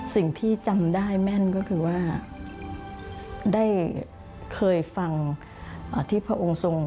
สิ่งที่จำได้แม่นก็คือว่าได้เคยฟังที่พระองค์ทรง